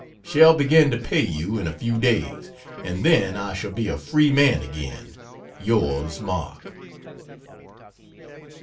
Shall begin to pay you in a few days and then I shall be a free man again. Yours, MARK.